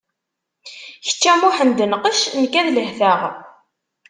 Kečč a Muḥend nqec, nekk ad lehteɣ.